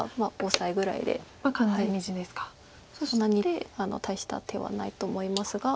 そんなに大した手はないと思いますが。